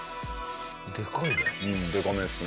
でかいね。